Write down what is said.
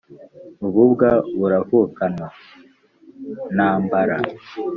Ububwa buravukanwa.ntambara